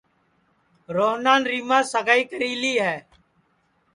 روہنان ریماس سگائی کری لی ہے